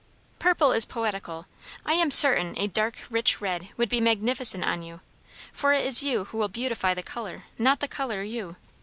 "Purple is poetical. I am certain a dark, rich red would be magnificent on you; for it is you who will beautify the colour, not the colour you.